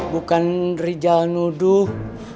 bukan rijal nuduh